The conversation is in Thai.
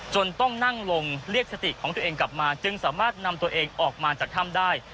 ต้องนั่งลงเรียกสติของตัวเองกลับมาจึงสามารถนำตัวเองออกมาจากถ้ำได้